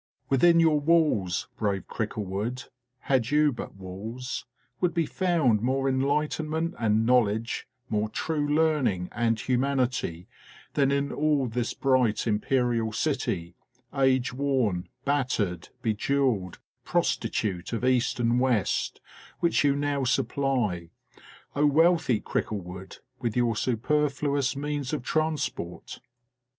Within your walls, brave Cricklewood, had you but walls, would be found more enlightenment and know ledge, more true learning and humanity than in all this bright imperial city, age worn, battered, be jewelled, prostitute of East and West, which you now supply, O wealthy Cricklewood, with your superfluous means of transport.